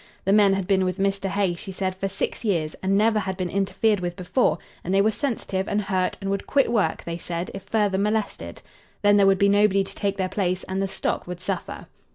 The men had been with Mr. Hay, she said, for six years and never had been interfered with before, and they were sensitive and hurt and would quit work, they said, if further molested. Then there would be nobody to take their place and the stock would suffer.